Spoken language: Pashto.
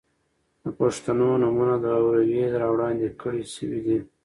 د پښتنو نومونه او روئيې را وړاندې کړے شوې دي.